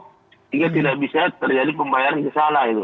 sehingga tidak bisa terjadi pembayaran kesalahan itu